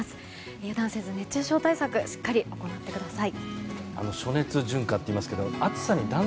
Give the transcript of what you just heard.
油断せず、熱中症対策しっかり行ってください。